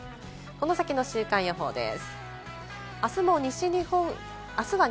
この先の週間予報です。